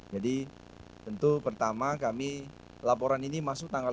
jadi tentu pertama kami laporan ini masuk tanggal delapan